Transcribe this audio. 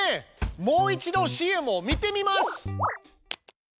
もう一度ＣＭを見てみます！